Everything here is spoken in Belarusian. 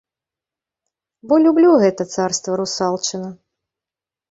Бо люблю гэта царства русалчына!